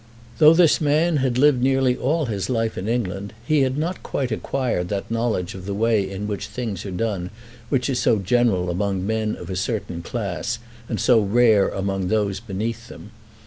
Though this man had lived nearly all his life in England, he had not quite acquired that knowledge of the way in which things are done which is so general among men of a certain class, and so rare among those beneath them.